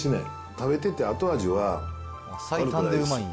食べてて後味は悪くないです。